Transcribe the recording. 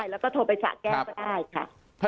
แล้วก็โทรไปสะแก้วก็ได้ค่ะ